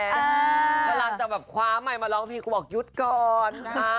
กำลังจะขอไว้มาร้องคลีกก็บอกยุดก่อน